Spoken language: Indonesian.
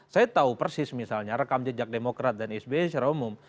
saya tahu persis misalnya rekam jejak demokrat dan sby secara umum